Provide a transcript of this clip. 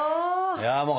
いやもう